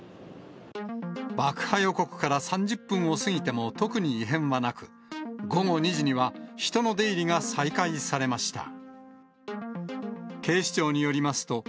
爆破予告から３０分を過ぎても特に異変はなく、午後２時には人の出入りが再開されました。